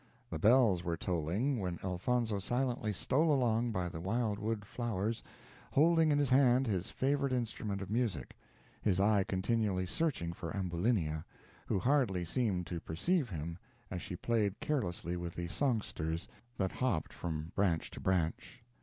The bells were tolling, when Elfonzo silently stole along by the wild wood flowers, holding in his hand his favorite instrument of music his eye continually searching for Ambulinia, who hardly seemed to perceive him, as she played carelessly with the songsters that hopped from branch to branch.